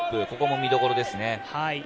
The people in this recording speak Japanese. ここも見どころですね。